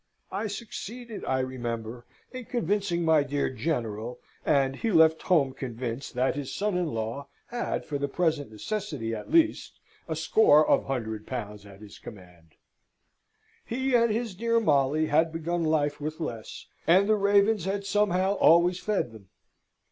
I succeeded, I remember, in convincing my dear General, and he left home convinced that his son in law had for the present necessity at least a score of hundred pounds at his command. He and his dear Molly had begun life with less, and the ravens had somehow always fed them.